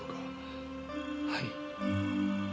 はい。